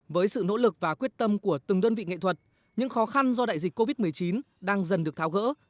với sự nỗ lực và quyết tâm của từng đơn vị nghệ thuật những khó khăn do đại dịch covid một mươi chín đang dần được tháo gỡ